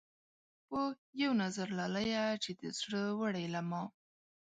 پۀ يو نظر لاليه چې دې زړۀ وړے له ما